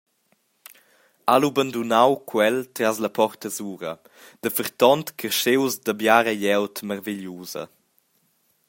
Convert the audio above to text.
Ha lu bandunau quel tras la porta sura, daferton carschius da biara glieud marvigliusa.